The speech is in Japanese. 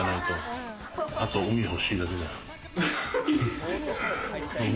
あとは海が欲しいだけだよ。